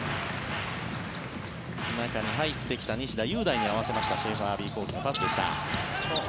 中に入ってきた西田優大に合わせましたシェーファーアヴィ幸樹のパスでした。